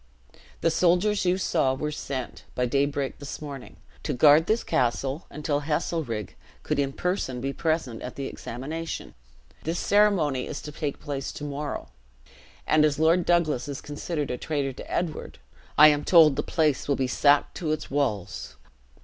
"The soldiers you saw were sent, by daybreak this morning, to guard this castle until Heselrigge could in person be present at the examination. This ceremony is to take place to morrow; and as Lord Douglas is considered a traitor to Edward, I am told the place will be sacked to its walls.